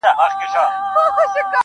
وخت پر ما ژاړي وخت له ما سره خبرې کوي~